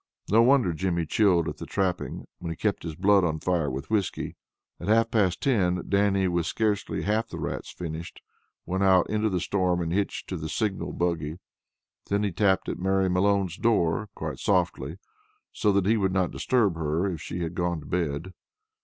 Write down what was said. No wonder Jimmy chilled at the trapping when he kept his blood on fire with whiskey. At half past ten, Dannie, with scarcely half the rats finished, went out into the storm and hitched to the single buggy. Then he tapped at Mary Malone's door, quite softly, so that he would not disturb her if she had gone to bed.